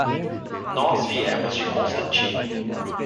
Nós viemos de Constantino.